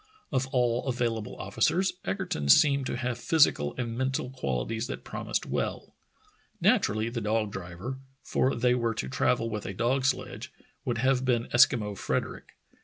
Of all available officers Egerton seemed to have physical and mental qualities that promised well. Naturally the dog driver — for they were to travel with a dog sledge — would have been Eskimo Frederick.